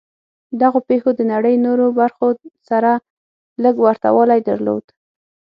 دغو پېښو د نړۍ نورو برخو سره لږ ورته والی درلود